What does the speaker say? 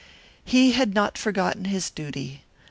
Yet he had not forgotten his duty.